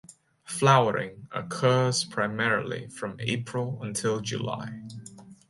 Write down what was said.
Flowering occurs primarily from April until July.